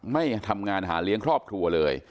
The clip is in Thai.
ไม่ทำงานหาเลี้ยงครอบครัวเลย